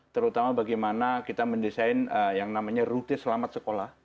terutama bagaimana kita mendesain yang namanya rutin selamat sekolah